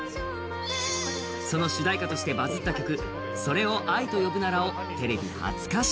その主題歌としてバズった曲「それを愛と呼ぶなら」をテレビ初歌唱。